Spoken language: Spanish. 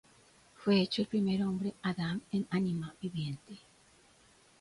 Fué hecho el primer hombre Adam en ánima viviente;